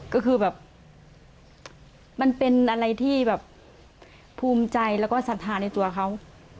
ก็คือแบบมันเป็นอะไรที่แบบภูมิใจแล้วก็ศรัทธาในตัวเขา